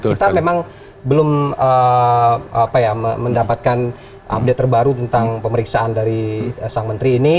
kita memang belum mendapatkan update terbaru tentang pemeriksaan dari sang menteri ini